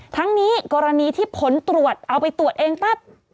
ทั้งนี้กรณีที่ผลตรวจเอาไปตรวจเองปั๊บ